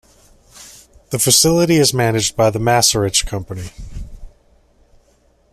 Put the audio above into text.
The facility is managed by The Macerich Company.